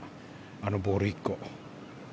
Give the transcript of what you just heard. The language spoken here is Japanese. あのボール１個。